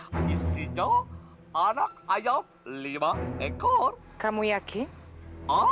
bagaimana kalau ngelihakan ini dan aku ngumpulin nah